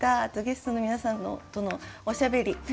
あとゲストの皆さんとのおしゃべり